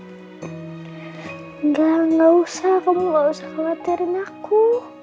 enggak enggak usah kamu enggak usah khawatirin aku